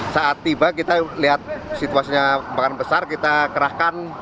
saat tiba kita lihat situasinya bahkan besar kita kerahkan